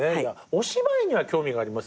お芝居には興味がありますね。